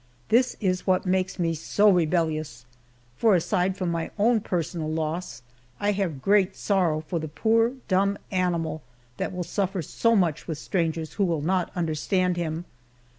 This is what makes me so rebellious, for aside from my own personal loss, I have great sorrow for the poor dumb animal that will suffer so much with strangers who will not understand him.